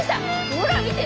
ほら見て！